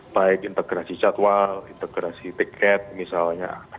baik integrasi jadwal integrasi tiket misalnya